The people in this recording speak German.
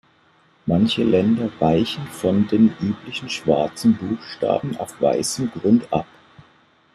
Manche Länder weichen von den üblichen schwarzen Buchstaben auf weißem Grund ab.